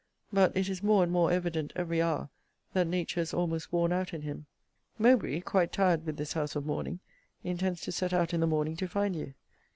But it is more and more evident every hour that nature is almost worn out in him. Mowbray, quite tired with this house of mourning, intends to set out in the morning to find you.